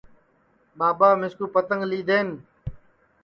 ٻاٻا مِسکُو پتنٚگ لی دؔئین